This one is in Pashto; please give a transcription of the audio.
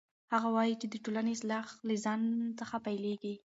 هغه وایي چې د ټولنې اصلاح له ځان څخه پیلیږي.